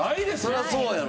そりゃそうやろ。